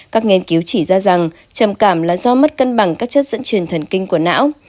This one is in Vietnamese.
các nghiên cứu chỉ ra rằng trầm cảm là do mất cân bằng các chất dẫn truyền thần kinh của não